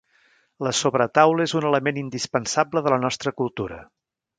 La sobretaula és un element indispensable de la nostra cultura.